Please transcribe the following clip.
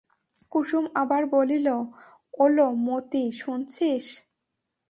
কুসুম আবার বলিল, ওলো মতি, শুনছিস?